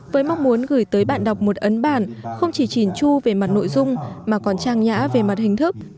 với mong muốn gửi tới bạn đọc một ấn bản không chỉ chỉn chu về mặt nội dung mà còn trang nhã về mặt hình thức